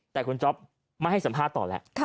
แต่คุณจ๊อปไม่ให้สัมภาษณ์ต่อแล้ว